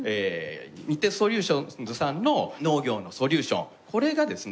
日鉄ソリューションズさんの農業のソリューションこれがですね